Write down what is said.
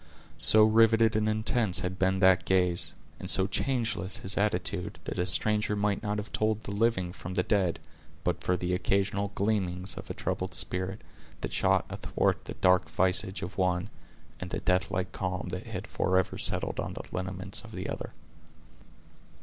So riveted and intense had been that gaze, and so changeless his attitude, that a stranger might not have told the living from the dead, but for the occasional gleamings of a troubled spirit, that shot athwart the dark visage of one, and the deathlike calm that had forever settled on the lineaments of the other.